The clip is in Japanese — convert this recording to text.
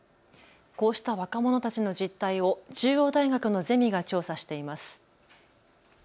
こうした若者たちの実態を中央大学のゼミが調査しています。